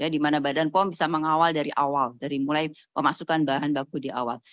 di mana badan pom bisa mengawal dari awal dari mulai pemasukan bahan baku di awal